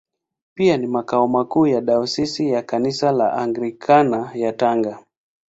Pia ni makao makuu ya Dayosisi ya Kanisa la Anglikana ya Tanga.